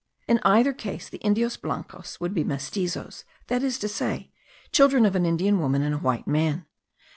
In either case the Indios blancos would be mestizos, that is to say, children of an Indian woman and a white man.